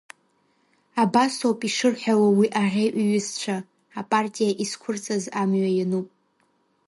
Абасоуп ишырҳәауа уи аӷьеҩ иҩызцәа, Апартиа изқәырҵаз амҩа иануп.